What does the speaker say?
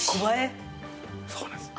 そうなんです。